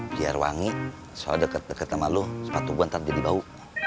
biar wangi soal deket deket sama lo sepatu gua ntar jadi bau